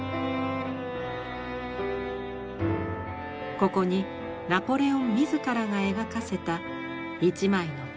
ここにナポレオン自らが描かせた一枚の大作があります。